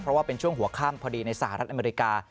เพราะว่าเป็นช่วงหัวข้ามพอดีในสหรัฐอเมริกา